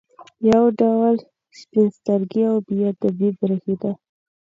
یو ډول سپین سترګي او بې ادبي برېښېده.